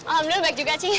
alhamdulillah baik juga